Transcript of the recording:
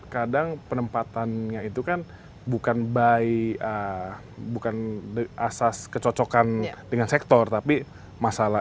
kadang penempatannya itu kan bukan by bukan asas kecocokan dengan sektor tapi masalah